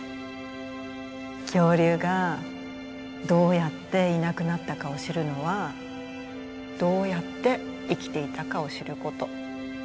恐竜がどうやっていなくなったかを知るのはどうやって生きていたかを知ること。